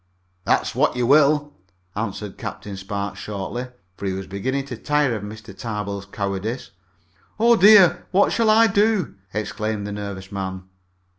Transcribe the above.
"That's what you will," answered Captain Spark shortly, for he was beginning to tire of Mr. Tarbill's cowardice. "Oh, dear! What shall I do?" exclaimed the nervous man.